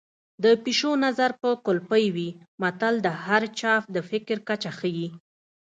د پيشو نظر به کولپۍ وي متل د هر چا د فکر کچه ښيي